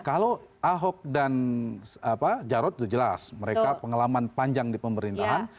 kalau ahok dan jarod itu jelas mereka pengalaman panjang di pemerintahan